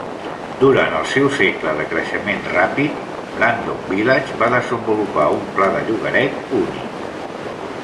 Durant el seu segle de creixement ràpid, Brandon Village va desenvolupar un pla de llogaret únic.